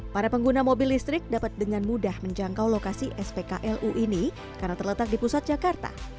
para pengguna mobil listrik dapat dengan mudah menjangkau lokasi spklu ini karena terletak di pusat jakarta